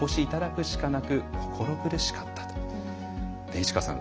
市川さん